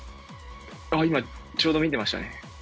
今ちょうど見てましたね。